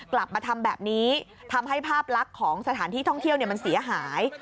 กลับมาทำแบบนี้ทำให้ภาพลักษณ์ของสถานที่ท่องเที่ยวมันเสียหาย